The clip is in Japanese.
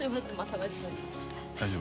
大丈夫？